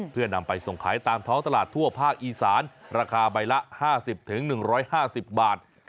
เพื่อนำไปส่งขายตามท้องตลาดทั่วภาคอีสานราคาใบละ๕๐๑๕๐บาท